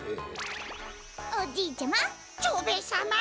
おじいちゃま。